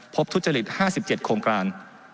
ทุจริต๕๗โครงการ